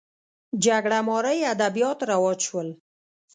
جګړه مارۍ ادبیات رواج شول